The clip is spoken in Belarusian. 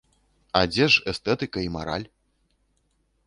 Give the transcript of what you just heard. А дзе ж эстэтыка і мараль?